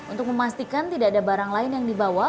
untuk memastikan tidak ada barang lain yang dibawa